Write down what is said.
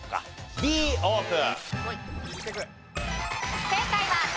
Ｄオープン。